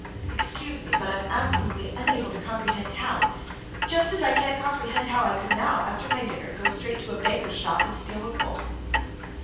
"Excuse me, but I'm absolutely unable to comprehend how ... just as I can't comprehend how I could now, after my dinner, go straight to a baker's shop and steal a roll."